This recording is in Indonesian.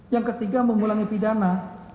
yang ketiga mengulangi pidana